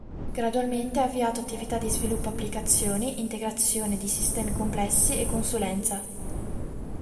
Gradualmente ha avviato attività di sviluppo applicazioni, integrazione di sistemi complessi e consulenza.